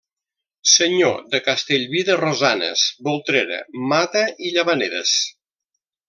Senyor de Castellví de Rosanes, Voltrera, Mata i Llavaneres.